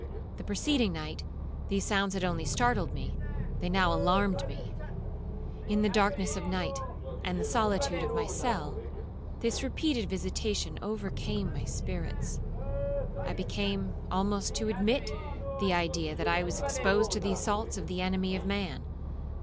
The preceding night these sounds had only startled me; they now alarmed me. In the darkness of night, and the solitude of my cell, this repeated visitation overcame my spirits. I began almost to admit the idea that I was exposed to the assaults of the enemy of man.